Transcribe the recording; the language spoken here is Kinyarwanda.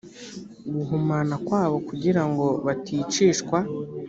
guhumana kwabo kugira ngo baticishwa